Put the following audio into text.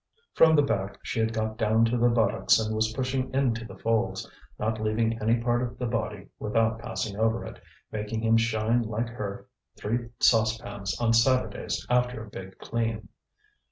From the back she had got down to the buttocks and was pushing into the folds, not leaving any part of the body without passing over it, making him shine like her three saucepans on Saturdays after a big clean.